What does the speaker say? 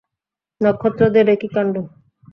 নক্ষত্রদের এ কী কাণ্ড!